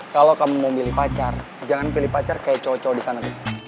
kalau kamu mau pilih pacar jangan pilih pacar kayak cocok di sana